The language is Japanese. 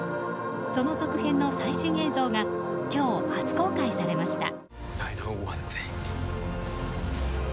その続編の最新映像が今日、初公開されました。